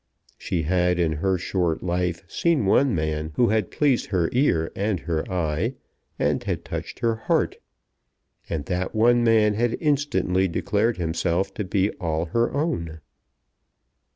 She had in her short life seen one man who had pleased her ear and her eye, and had touched her heart; and that one man had instantly declared himself to be all her own.